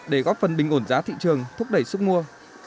để góp phần bình ổn giá thị trường thúc đẩy sức mua